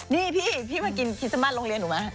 นี่พี่พี่มากินที่สมบัติโรงเรียนหนูมา